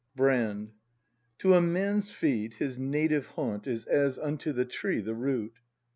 Brand. To a man's feet his native haunt Is as unto the tree the root.